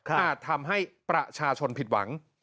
อาจทำให้ประชาชนผิดหวัง